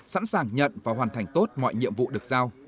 sẵn sàng nhận và hoàn thành tốt mọi nhiệm vụ được giao